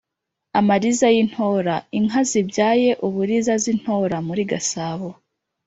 amariza y’i ntora: inka zibyaye uburiza z’i ntora (muri gasabo)